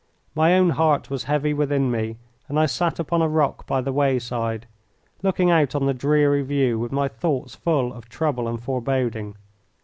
My own heart was heavy within me, and I sat upon a rock by the wayside looking out on the dreary view with my thoughts full of trouble and foreboding.